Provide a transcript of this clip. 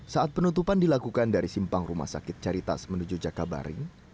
saat penutupan dilakukan dari simpang rumah sakit caritas menuju jakabaring